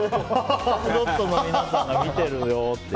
母ドットの皆さんが見てるよって。